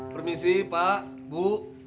permisi pak bu